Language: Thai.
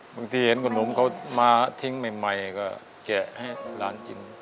เห็นขนมเขามาทิ้งใหม่ก็แกะให้หลานกิน